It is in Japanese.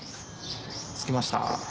着きました。